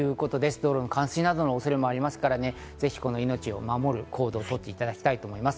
道路の冠水などの恐れもありますから、ぜひ命を守る行動を取っていただきたいと思います。